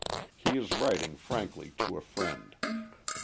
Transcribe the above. He is writing frankly to a friend.